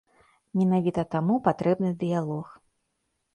Менавіта таму патрэбны дыялог.